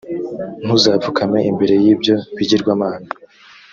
ntuzapfukame imbere y’ibyo bigirwamana,